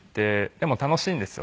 でも楽しいんですよ